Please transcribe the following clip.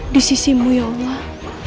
di sisimu ya allah